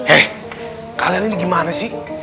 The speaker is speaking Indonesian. eh kalian ini gimana sih